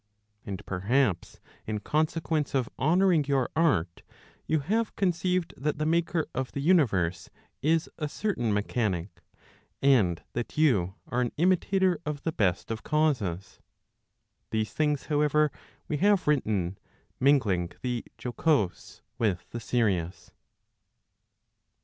And perhaps in consequence of honouring your art, you have oonceived that the maker of the universe is a certain mechanic, and that you are an imitator of the best of causes. These things however we have written, mingling the jocose with the serious.